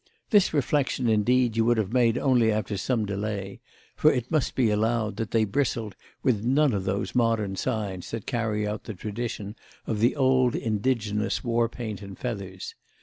This reflexion indeed you would have made only after some delay; for it must be allowed that they bristled with none of those modern signs that carry out the tradition of the old indigenous war paint and feathers.